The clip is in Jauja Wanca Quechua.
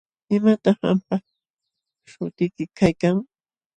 ¿Imataq qampa śhutiyki kaykan?